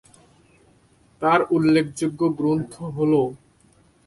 তার লেখা উল্লেখযোগ্য গ্রন্থ হলো-